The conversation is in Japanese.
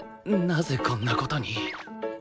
なぜこんな事に？